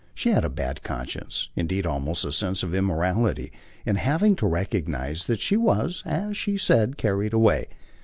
She had a bad conscience, indeed almost a sense of immorality, in having to recognise that she was, as she said, carried away.